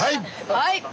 はい！